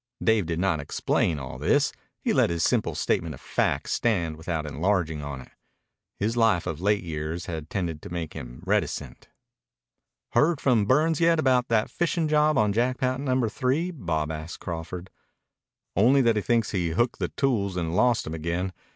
Dave did not explain all this. He let his simple statement of fact stand without enlarging on it. His life of late years had tended to make him reticent. "Heard from Burns yet about that fishin' job on Jackpot Number Three?" Bob asked Crawford. "Only that he thinks he hooked the tools and lost 'em again.